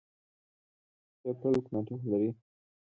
ښه پرل کوناټي خو لري